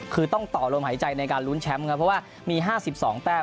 คือต้องต่อลมหายใจในการลุ้นแชมป์ครับเพราะว่ามี๕๒แต้ม